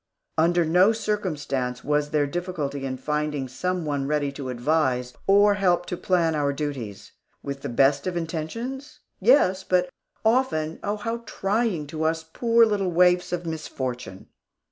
Under no circumstance was there difficulty in finding some one ready to advise or help to plan our duties. With the best of intentions? Yes, but often, oh, how trying to us, poor little waifs of misfortune!